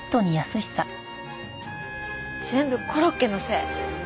全部コロッケのせい。